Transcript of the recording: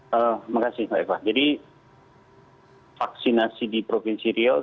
terima kasih mbak eva jadi vaksinasi di provinsi riau